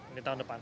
ini tahun depan